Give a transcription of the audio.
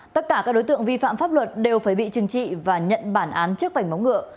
tất cả các đối tượng vi phạm pháp luật đều phải bị trừng trị và nhận bản án trước vảnh móng ngựa